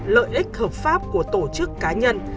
lợi ích hợp pháp của tổ chức cá nhân